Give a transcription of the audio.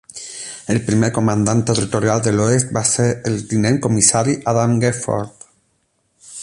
El primer comandant territorial de l'Oest va ser el tinent comissari Adam Gifford.